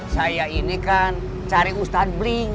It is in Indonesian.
saya ini kan cari ustadz bling